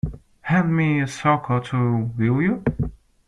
Hand me a sock or two, will you?